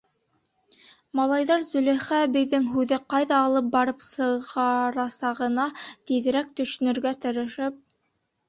Малайҙар, Зөләйха әбейҙең һүҙҙе ҡайҙа алып барып сығарасағына тиҙерәк төшөнөргә тырышып: